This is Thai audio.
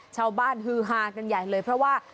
ชาวบ้านฮือฮากันใหญ่เลยเพราะว่า